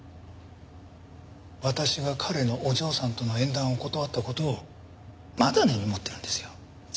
私が彼のお嬢さんとの縁談を断った事をまだ根に持ってるんですよ。